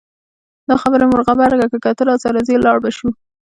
دا خبره مې ور غبرګه کړه که ته راسره ځې لاړ به شو.